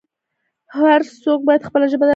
هر څوک باید خپله ژبه درنه وګڼي.